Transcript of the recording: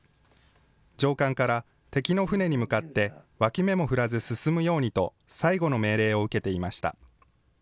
上官から敵の船に向かって脇目も振らず進むようにと、最後の命令を受けていました。